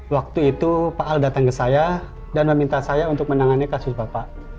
waktu itu pak al datang ke saya dan meminta saya untuk menangani kasus bapak